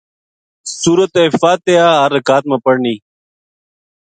سورت فاتحہ ہر رکات ما پڑھنی۔